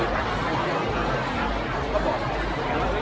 การรับความรักมันเป็นอย่างไร